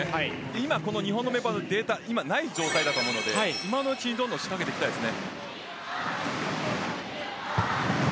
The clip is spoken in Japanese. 今この日本のデータない状態だと思うので今のうちに仕掛けていきたいです。